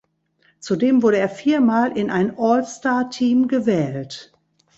Zudem wurde er viermal in ein All-Star Team gewählt.